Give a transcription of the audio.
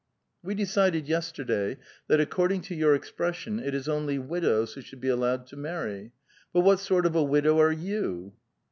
We decided yesterday that according to your expression it is only widows who should be allowed to marry. But what sort of a widow arc you?